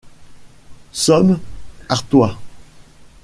Somme... Artois...